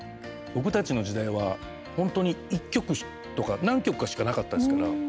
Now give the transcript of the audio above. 僕たちの時代は本当に１局とか何局かしかなかったですから。